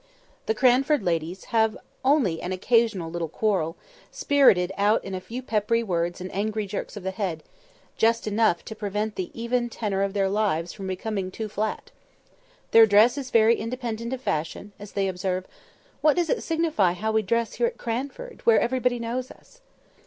The Cranford ladies have only an occasional little quarrel, spirited out in a few peppery words and angry jerks of the head; just enough to prevent the even tenor of their lives from becoming too flat. Their dress is very independent of fashion; as they observe, "What does it signify how we dress here at Cranford, where everybody knows us?"